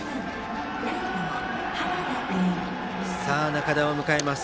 仲田を迎えます。